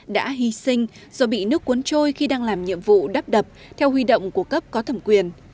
đã hy sinh do bị nước cuốn trôi khi đang làm nhiệm vụ đắp đập theo huy động của cấp có thẩm quyền